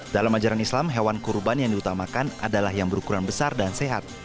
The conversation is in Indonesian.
dalam ajaran islam hewan kurban yang diutamakan adalah yang berukuran besar dan sehat